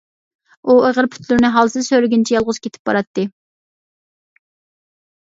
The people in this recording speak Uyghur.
ئۇ ئېغىر پۇتلىرىنى ھالسىز سۆرىگىنىچە يالغۇز كېتىپ باراتتى.